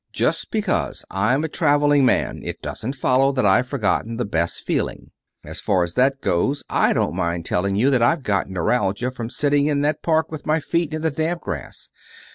Just because I'm a traveling man it doesn't follow that I've forgotten the Bess feeling. As far as that goes, I don't mind telling you that I've got neuralgia from sitting in that park with my feet in the damp grass.